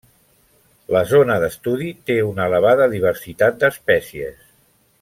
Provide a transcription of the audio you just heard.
La zona d'estudi té una elevada diversitat d'espècies.